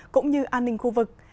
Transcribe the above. cũng như an ninh khu vực